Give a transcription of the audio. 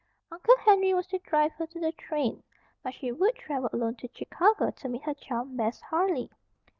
Uncle Henry was to drive her to the train; but she would travel alone to Chicago to meet her chum, Bess Harley.